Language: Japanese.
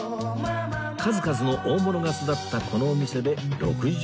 数々の大物が育ったこのお店で６５年！